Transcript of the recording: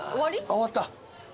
終わった。